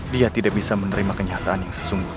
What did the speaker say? dia tidak bisa menerima kenyataan yang sesungguhnya